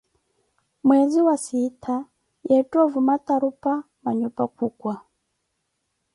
Mwezi wa siittaa, yeetha ovuma tarupha, manhupa khukwa